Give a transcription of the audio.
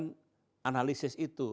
menurut analisis itu